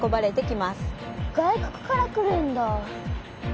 外国から来るんだ！